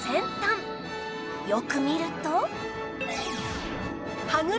よく見ると